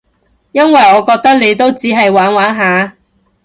因為我覺得你都只係玩玩下